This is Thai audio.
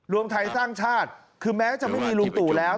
รวมไทยสร้างชาติคือแม้จะไม่มีลุงตู่แล้ว